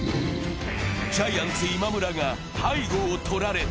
ジャイアンツ・今村が背後をとられた。